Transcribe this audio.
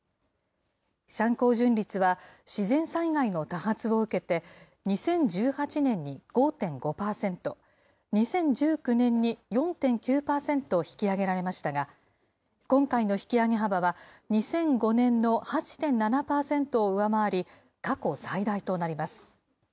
参考純率は自然災害の多発を受けて、２０１８年に５．５％、２０１９年に４．９％引き上げられましたが、今回の引き上げ幅は、２００５年の８．７％を上回り、過去最大となります。